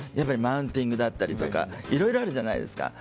マウンティングだったりとかいろいろあるじゃないですか。